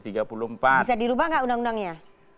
bisa dirubah nggak undang undangnya